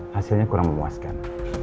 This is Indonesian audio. hasilnya kurang memuaskan